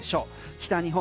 北日本